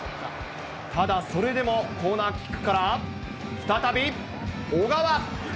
ただそれでもコーナーキックから、再び小川。